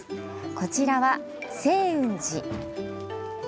こちらは清雲寺。